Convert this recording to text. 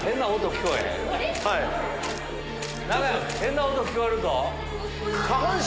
何か変な音聞こえるぞ。